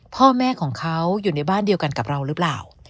พ่อแม่ของเขาอยู่ในบ้านเดียวกันกับเราหรือเปล่า